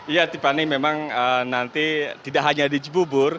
ya tipani memang nanti tidak hanya di cibubur